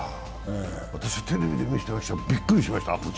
私はテレビで見てましたが、びっくりしました。